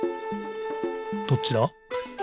どっちだ？